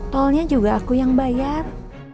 tolnya juga aku yang bayar